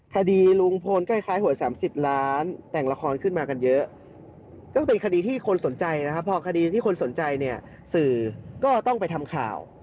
คดีลุงพลคล้ายหวย๓๐ล้านแต่งละครขึ้นมากันเยอะก็เป็นคดีที่คนสนใจนะครับพอคดีที่คนสนใจเนี่ยสื่อก็ต้องไปทำข่าว